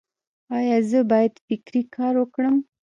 ایا زه باید فکري کار وکړم؟